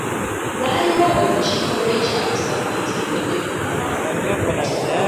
Waaliwo olukiiko lw'ekyalo ssabbiiti ewedde ku bbalaza.